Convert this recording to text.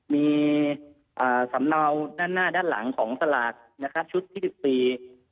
มีสำเนาหน้าด้านหลังของสลากนะครับชุดที่๑๔